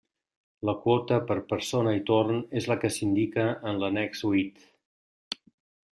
La quota, per persona i torn, és la que s'indica en l'annex huit.